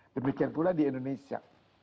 demikian pula di indonesia